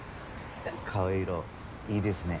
顔色いいですね。